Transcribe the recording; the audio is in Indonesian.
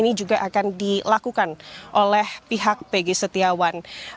ini juga adalah kemudian pendalaman yang dilakukan oleh pihak peggy setiawan